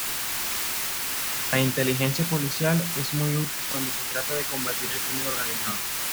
La inteligencia policial es muy útil cuando se trata de combatir al crimen organizado.